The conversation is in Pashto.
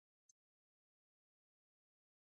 سیلاني ځایونه د خلکو د ژوند په کیفیت تاثیر کوي.